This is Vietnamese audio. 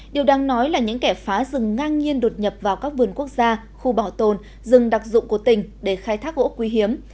điều đáng nói là những kẻ phá rừng ngang nhiên đột nhập vào các vườn quốc gia khu bảo tồn rừng đặc dụng của tỉnh để khai thác gỗ quý hiếm